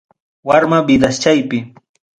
Warma vidaschaypi.